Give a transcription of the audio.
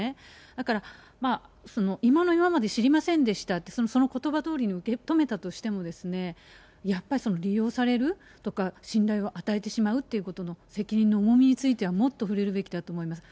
だから、今の今まで知りませんでしたって、そのことばどおりに受け止めたとしても、やっぱり利用されるとか、信頼を与えてしまうっていうことの責任の重みについては、もっと触れるべきだと思います。